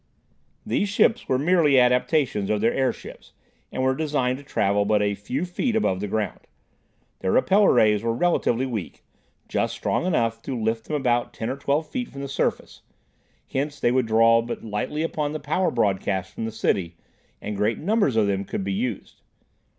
These ships were merely adaptations of their airships, and were designed to travel but a few feet above the ground. Their repeller rays were relatively weak; just strong enough to lift them about ten or twelve feet from the surface. Hence they would draw but lightly upon the power broadcast from the city, and great numbers of them could be used.